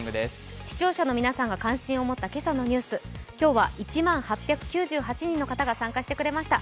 視聴者の皆さんが関心を持った今朝のニュース、今日は１万８９８人の方が参加してくれました。